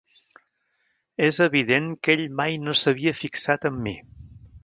És evident que ell mai no s'havia fixat en mi.